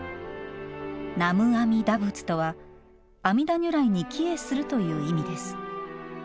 「南無阿弥陀仏」とは阿弥陀如来に帰依するという意味です。